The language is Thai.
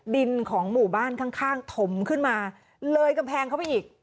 ดินของหมู่บ้านข้างถมขึ้นมาเลยกำแพงเข้าไปอีก